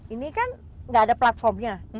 ini kan nggak ada platformnya